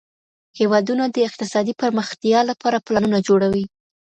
هیوادونه د اقتصادي پرمختیا لپاره پلانونه جوړوي.